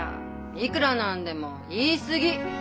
いくらなんでも言い過ぎ！